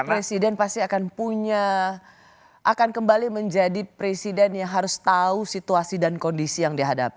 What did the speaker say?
karena presiden pasti akan punya akan kembali menjadi presiden yang harus tahu situasi dan kondisi yang dihadapi